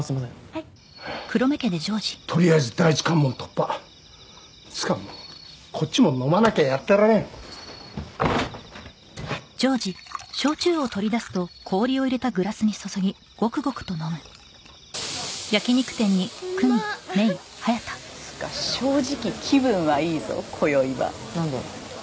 はいとりあえず第１関門突破っつかもうこっちも飲まなきゃやってられんうまっふふっっつか正直気分はいいぞこよいはなんで？